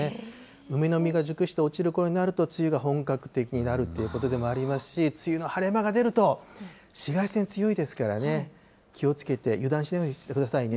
梅の実が熟して落ちるころになると、梅雨が本格的になるということでもありますし、梅雨の晴れ間が出ると紫外線強いですからね、気をつけて、油断しないようにしてくださいね。